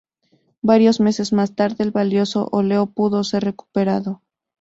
Varios meses más tarde el valioso óleo pudo ser recuperado.